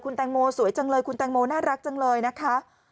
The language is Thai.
แตงโมสวยจังเลยคุณแตงโมน่ารักจังเลยนะคะ